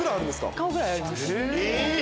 顔ぐらいあります。